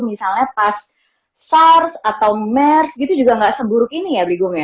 misalnya pas sars atau mers gitu juga nggak seburuk ini ya bingung ya